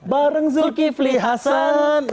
bareng zulkifli hasan